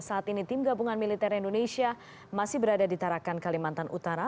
saat ini tim gabungan militer indonesia masih berada di tarakan kalimantan utara